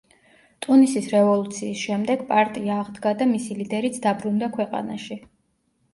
ტუნისის რევოლუციის შემდეგ პარტია აღდგა და მისი ლიდერიც დაბრუნდა ქვეყანაში.